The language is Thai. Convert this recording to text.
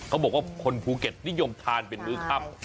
เขาบอกว่าคนภูเก็ตนิยมทานเป็นมื้อครับ